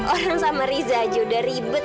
orang sama riza aja udah ribet